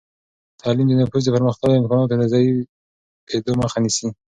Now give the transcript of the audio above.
تعلیم د نفوس د پرمختللو امکاناتو د ضعیفېدو مخه نیسي.